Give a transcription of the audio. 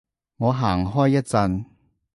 我行開一陣